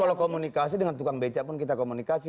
kalau komunikasi dengan tukang beca pun kita komunikasi